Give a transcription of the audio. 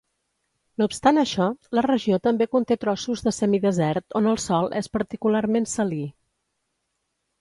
No obstant això, la regió també conté trossos de semidesert on el sòl és particularment salí.